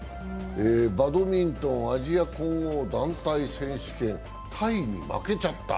バドミントンアジア混合団体選手権、タイに負けちゃった。